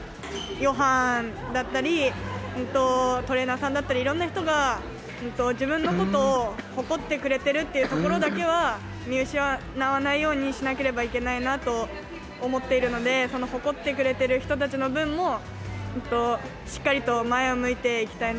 ヨハンだったり、トレーナーさんだったり、いろんな人が、自分のことを誇ってくれてるっていうところだけは、見失わないようにしなければいけないなと思っているので、その誇ってくれてる人たちの分も、